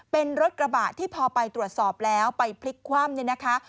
เป็นรถกระบะที่พอไปตรวจสอบแล้วไปพลิกคว่ำเนี่ยนะคะ